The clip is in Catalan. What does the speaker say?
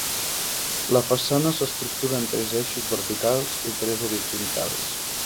La façana s'estructura en tres eixos verticals i tres horitzontals.